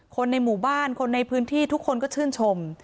คนในหมู่บ้านคนในพื้นที่ทุกคนก็ชื่นชม